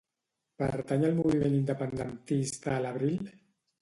Pertany al moviment independentista l'Abril?